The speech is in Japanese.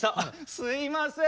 すいません。